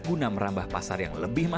untuk mengembangkan kembangnya